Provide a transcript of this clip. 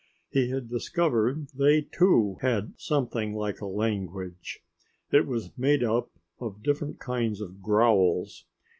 He had discovered they, too, had something like a language. It was made up of different kinds of growls.